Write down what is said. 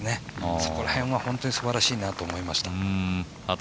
そこら辺は本当にすばらしいと思いました。